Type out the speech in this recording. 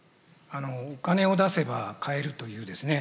「お金を出せば買える」というですね